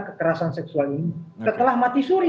kekerasan seksual ini setelah mati suri